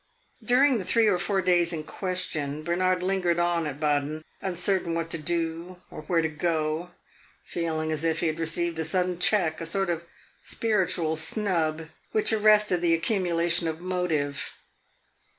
During the three or four days in question, Bernard lingered on at Baden, uncertain what to do or where to go, feeling as if he had received a sudden check a sort of spiritual snub which arrested the accumulation of motive.